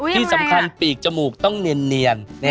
ไม่ใช่น่าจะเป็นแผลนะ